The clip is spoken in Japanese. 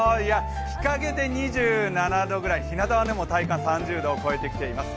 日陰で２７度ぐらい、ひなたは体感３０度を超えてきています。